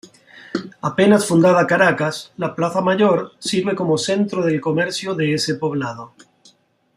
Apenas fundada Caracas, la Plaza Mayor sirve como centro del comercio de ese poblado.